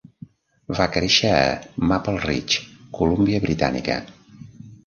Va créixer a Maple Ridge, Columbia Britànica.